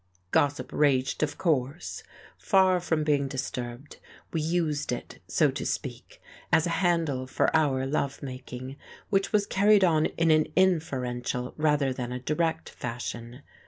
Gossip raged, of course. Far from being disturbed, we used it, so to speak, as a handle for our love making, which was carried on in an inferential rather than a direct fashion.